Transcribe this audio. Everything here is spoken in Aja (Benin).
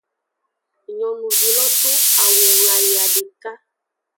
Nyonuvi lo do awu wlayaa deka.